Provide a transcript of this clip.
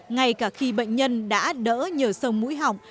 ngay cả khi bệnh nhân đã đỡ nhờ sông mũi họng